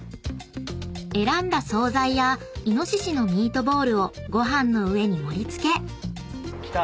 ［選んだ総菜や猪のミートボールをご飯の上に盛り付け］来た。